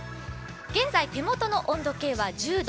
現在、手元の温度計は１０度。